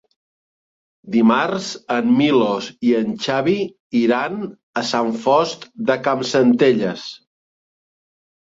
Dimarts en Milos i en Xavi iran a Sant Fost de Campsentelles.